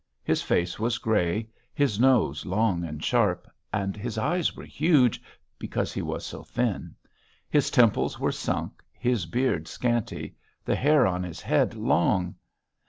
His face was grey; his nose long and sharp, and his eyes were huge, because he was so thin; his temples were sunk, his beard scanty, the hair on his head long....